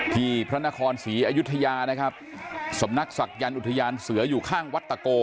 พระนครศรีอยุธยานะครับสำนักศักยันต์อุทยานเสืออยู่ข้างวัดตะโก